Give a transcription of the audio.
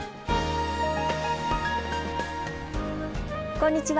こんにちは。